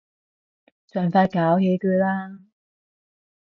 盡快搞起佢啦